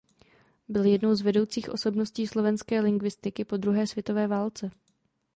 Byl jednou z vedoucích osobností slovenské lingvistiky po druhé světové válce.